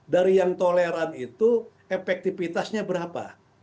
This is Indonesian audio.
dari yang toleran itu efektivitasnya berapa